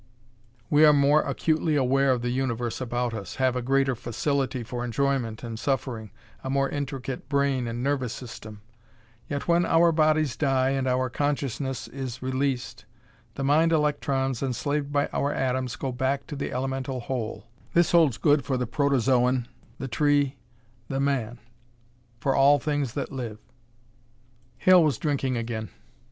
We are more acutely aware of the universe about us, have a greater facility for enjoyment and suffering, a more intricate brain and nervous system. Yet when our bodies die and our consciousness is released, the mind electrons enslaved by our atoms go back to the elemental Whole. This holds good for the protozoan, the tree, the man for all things that live." Hale was drinking again.